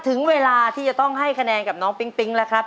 ถึงเวลาที่จะต้องให้คะแนนกับน้องปิ๊งปิ๊งแล้วครับ